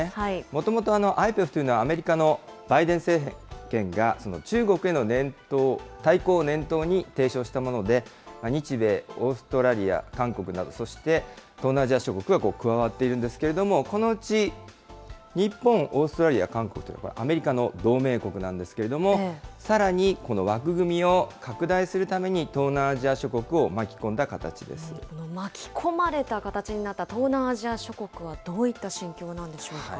もともと、ＩＰＥＦというのはアメリカのバイデン政権が、中国への対抗を念頭に提唱したもので、日米、オーストラリア、韓国など、そして東南アジア諸国が加わっているんですけれども、このうち日本、オーストラリア、韓国はアメリカの同盟国なんですけれども、さらにこの枠組みを拡大するために、東南アジア諸国を巻この巻き込まれた形になった東南アジア諸国は、どういった心境なんでしょうか。